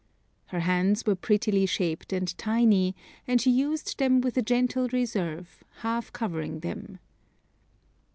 Her hands were prettily shaped and tiny, and she used them with a gentle reserve, half covering them.